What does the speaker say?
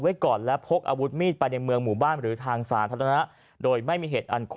ไว้ก่อนแล้วคงอาวุธมีดไปในเมืองหมู่บ้านหรือทางศาลธรรณะโดยไม่มี